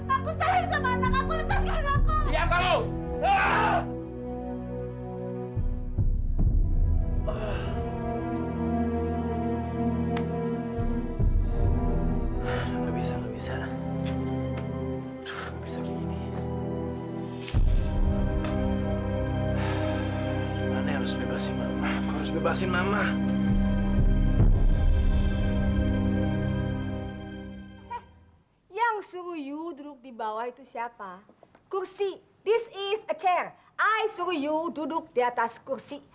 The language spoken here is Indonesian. aku sering sama anak aku lepas kandung aku